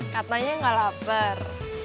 katanya gak lapar